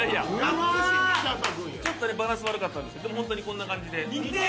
ちょっとねバランス悪かったんですけどでもホントにこんな感じで。